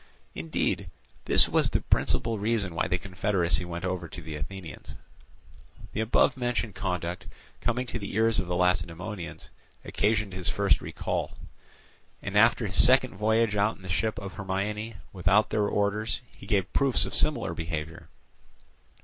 Indeed, this was the principal reason why the confederacy went over to the Athenians. The above mentioned conduct, coming to the ears of the Lacedaemonians, occasioned his first recall. And after his second voyage out in the ship of Hermione, without their orders, he gave proofs of similar behaviour.